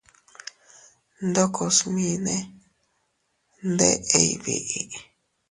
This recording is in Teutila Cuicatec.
Ndoko smine ndeʼey biʼi.